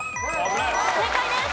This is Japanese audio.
正解です。